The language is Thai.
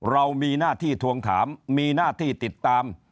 เรามีหน้าที่ทวงถามมีหน้าที่ติดตาม